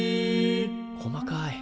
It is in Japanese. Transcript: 細かい。